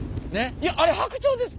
あれ白鳥ですか！？